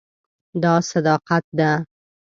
دا صداقت ده.